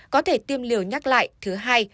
có thể tiêm liều nhắc lại thứ hai